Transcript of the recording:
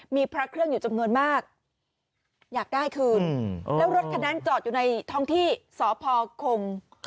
มีพระเครื่องอยู่จำนวนมากอยากได้คืนแล้วรถคันนั้นจอดอยู่ในท้องที่สพคง